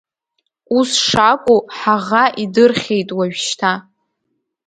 Ус шакәу ҳаӷа идырхьеит уажәшьҭа.